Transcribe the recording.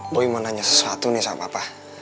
boy mau nanya sesuatu nih sama apa